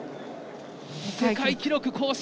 世界記録更新！